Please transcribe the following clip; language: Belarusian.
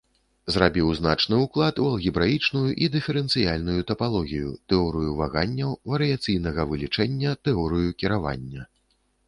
Зрабіў значны ўклад у алгебраічную і дыферэнцыяльную тапалогію, тэорыю ваганняў, варыяцыйнага вылічэння, тэорыю кіравання.